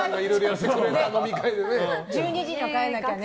１２時には帰らなきゃね。